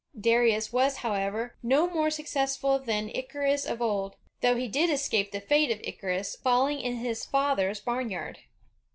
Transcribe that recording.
Darius was, however, no more successful than Icarus of old, though he did escape the fate of Icarus, falling in his father's barnyard.